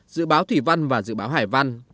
dự báo thủy văn và dự báo hải văn